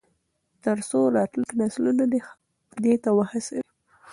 تر څو راتلونکي نسلونه دې ته وهڅوي.